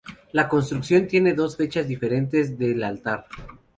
La construcción tiene dos fechas diferentes desde el altar.